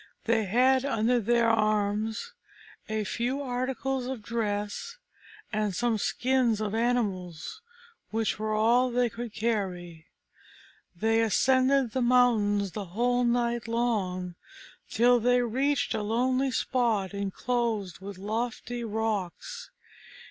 They had under their arms a few articles of dress and some skins of animals, which were all they could carry. They ascended the mountains the whole night long, till they reached a lonely spot inclosed with lofty rocks.